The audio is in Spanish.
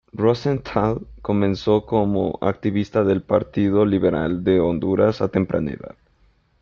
Rosenthal comenzó como activista del Partido Liberal de Honduras a temprana edad.